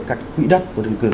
các quỹ đất của đường cử